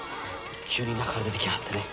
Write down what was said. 急に田舎から出てきやがってね。